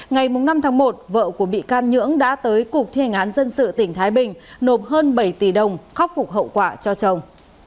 ngày năm tháng một vợ của bị can nhưỡng đã tới cục thi hành án dân sự tỉnh thái bình nộp hơn bảy tỷ đồng khắc phục hậu quả cho chồng